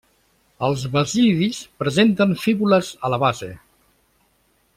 Els basidis presenten fíbules a la base.